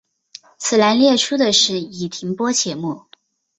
此栏列出的是已停播节目。